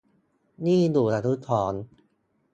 นี่อยู่อนุสาวรีย์